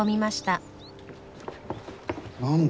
何だ？